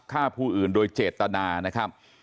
ฆ่าผู้อื่นโดยเจตนานะครับ